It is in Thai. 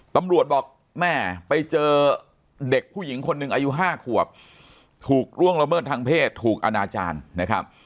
ตำรวจบอกแม่ไปเจอเด็กผู้หญิงคนหนึ่งอายุ๕ขวบถูกล่วงละเมิดทางเพศถูกอนาจารย์นะครับ